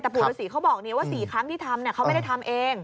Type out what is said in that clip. แต่ปู่ฤษีเขาบอกว่า๔ครั้งที่ทำเขาไม่ได้ทำเอง